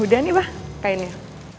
udah nih bah kainnya